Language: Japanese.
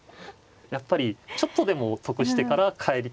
やっぱりちょっとでも得してから帰りたいと。